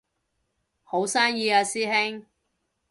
好生意啊師兄